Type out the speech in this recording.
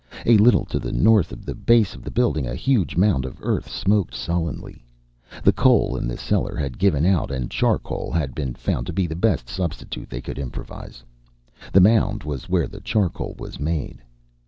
A little to the north of the base of the building a huge mound of earth smoked sullenly. The coal in the cellar had given out and charcoal had been found to be the best substitute they could improvise. The mound was where the charcoal was made.